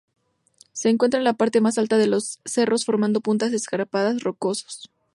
Se encuentra en la parte más alta de los cerros formando puntas escarpadas rocosos.